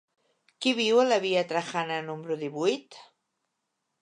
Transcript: Qui viu a la via Trajana número divuit?